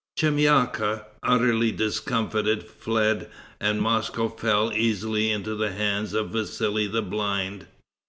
Chemyaka, utterly discomfited, fled, and Moscow fell easily into the hands of Vassali the blind.